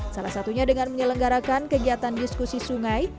salah satunya dengan menyelenggarakan kegiatan diskusi sungai